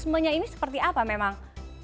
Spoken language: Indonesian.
nah mekanismenya ini seperti apa memang